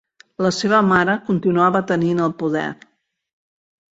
La seva mare continuava tenint el poder.